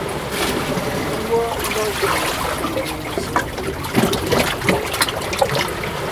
Ngwɔ́ ndá jʉʼʉ sẅiŋe menzsǒ.